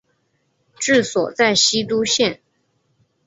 治所在西都县。